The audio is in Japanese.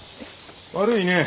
悪いねえ。